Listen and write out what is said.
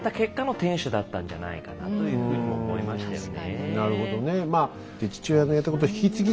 天守だったんじゃないかなというふうに思いましたよね。